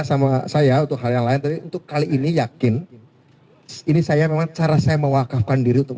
sama saya untuk hal yang lain tapi untuk kali ini yakin ini saya memang cara saya mewakafkan diri untuk